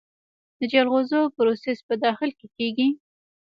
د جلغوزیو پروسس په داخل کې کیږي؟